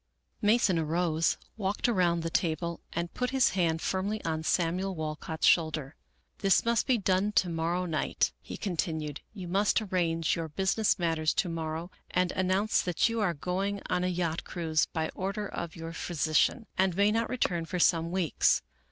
Mason arose, walked around the table, and put his hand firmly on Samuel Walcott's shoulder. " This must be done to morrow night," he continued ;" you must arrange your business matters to morrow and announce that you are go ing on a yacht cruise, by order of your physician, and may not return for some weeks.